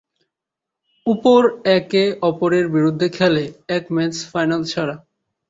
উপর একে অপরের বিরুদ্ধে খেলে, এক ম্যাচ ফাইনাল ছাড়া।